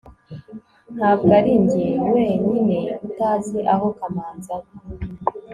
ntabwo arinjye wenyine utazi aho kamanzi aba